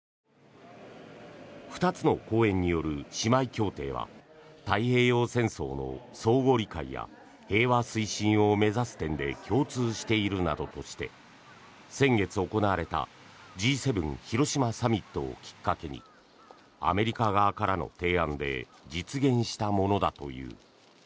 ２つの公園による姉妹協定は太平洋戦争の相互理解や平和推進を目指す点で共通しているなどとして先月行われたＧ７広島サミットをきっかけにアメリカ側からの提案で実現したものだという。